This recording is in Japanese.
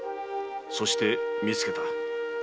そして見つけた。